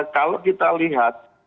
kalau kita lihat